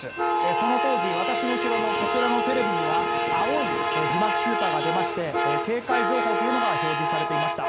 その当時、私の後ろのこちらのテレビには青い字幕スーパーが出まして警戒情報というのが表示されていました。